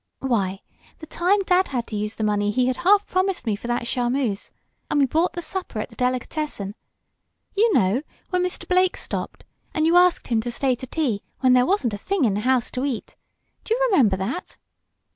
Why, the time dad had to use the money he had half promised me for that charmeuse, and we bought the supper at the delicatessen you know, when Mr. Blake stopped and you asked him to stay to tea, when there wasn't a thing in the house to eat do you remember that?"